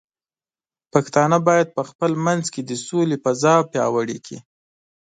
پښتانه بايد په خپل منځ کې د سولې فضاء پیاوړې کړي.